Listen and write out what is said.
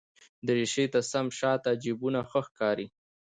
دریشي ته سم شاته جېبونه ښه ښکاري.